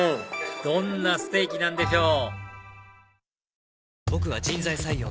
どんなステーキなんでしょう